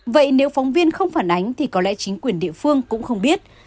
vậy nếu phóng viên không phản ánh thì có lẽ chính quyền địa phương cũng không biết